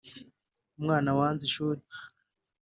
Umwana wanze ishuri